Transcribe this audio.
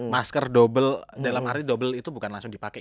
masker double dalam arti double itu bukan langsung dipakai